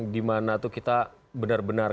dimana itu kita benar benar